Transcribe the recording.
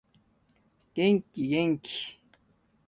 元気元気